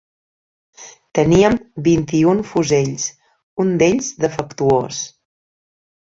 Teníem vint-i-un fusells, un d'ells defectuós